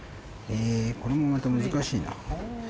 えぇこれもまた難しいな。